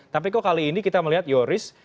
tapi kok kali ini kita melihat yoris